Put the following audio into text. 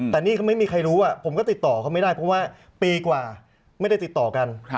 แต่นี่ก็ไม่มีใครรู้ผมก็ติดต่อเขาไม่ได้เพราะว่าปีกว่าไม่ได้ติดต่อกัน